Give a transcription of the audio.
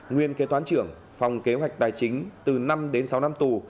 nguyên kế toán trưởng phòng kế hoạch tài chính từ năm đến sáu năm tù